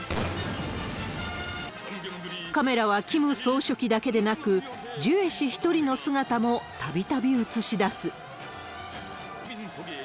カメラはキム総書記だけでなく、ジュエ氏一人の姿もたびたび映し出す。